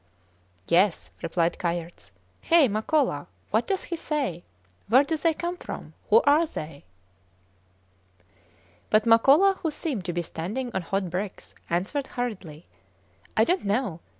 Yes, replied Kayerts. Hey, Makola, what does he say? Where do they come from? Who are they? But Makola, who seemed to be standing on hot bricks, answered hurriedly, I dont know.